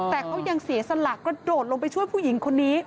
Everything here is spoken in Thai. แต่เขายังเสียสละกระโดดลงไปช่วยผู้หญิงคนนี้